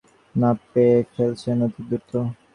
পা ফেলছেন অতি দ্রুত।